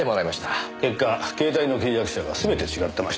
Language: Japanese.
結果携帯の契約者が全て違ってました。